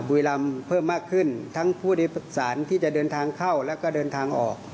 บุรีรำเพิ่มมากขึ้นทั้งผู้โดยสารที่จะเดินทางเข้าแล้วก็เดินทางออก